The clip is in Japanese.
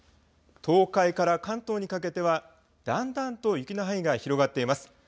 東海から関東にかけてはだんだんと雪の範囲が広がっています。